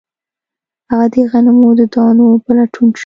هغه د غنمو د دانو په لټون شو